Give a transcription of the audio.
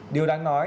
điều đáng nói